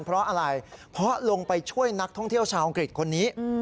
เพราะอะไรเพราะลงไปช่วยนักท่องเที่ยวชาวอังกฤษคนนี้